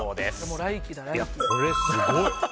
これ、すごい。